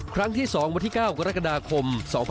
ครั้งที่๒วันที่๙กรกฎาคม๒๕๖๒